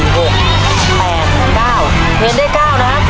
เข็มพินาภีเดินไม่หยุบเลยนะครับ